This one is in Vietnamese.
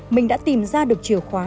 mình đã tìm ra được chìa khóa